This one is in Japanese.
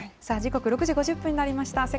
さあ、時刻６時５０分になりました。